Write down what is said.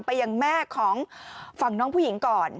ไปยังแม่ของฝั่งน้องผู้หญิงก่อน